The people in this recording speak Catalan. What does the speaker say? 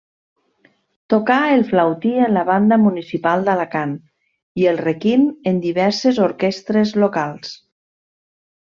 Tocà el flautí en la banda municipal d'Alacant, i el requint en diverses orquestres locals.